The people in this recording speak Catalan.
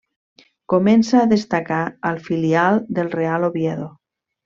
Comença a destacar al filial del Real Oviedo.